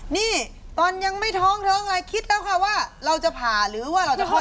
นี่ตอนยังไม่ท้องเถอะคิดแล้วค่ะว่าเราจะผ่าหรือว่าจะพรนเอง